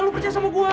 lu percaya sama gue